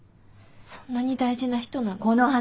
そんなに大事な人なの？